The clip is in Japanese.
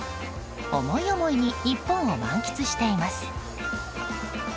思い思いに日本を満喫しています。